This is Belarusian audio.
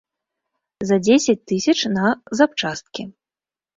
За дзесяць тысяч, на запчасткі.